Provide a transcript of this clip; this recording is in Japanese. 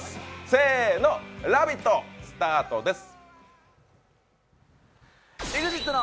せーの、「ラヴィット！」スタートです。